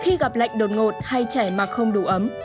khi gặp lạnh đột ngột hay trẻ mặc không đủ ấm